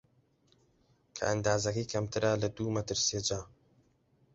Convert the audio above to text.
کە ئەندازەکەی کەمترە لە دوو مەتر سێجا